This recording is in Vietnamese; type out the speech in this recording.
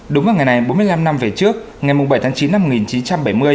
đúng vào ngày này bốn mươi năm năm về trước ngày bảy tháng chín năm một nghìn chín trăm bảy mươi